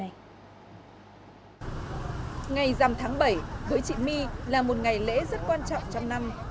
ngày dằm tháng bảy với chị my là một ngày lễ rất quan trọng trong năm